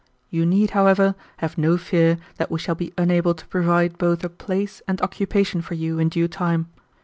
You need, however, have no fear that we shall be unable to provide both a place and occupation for you in due time.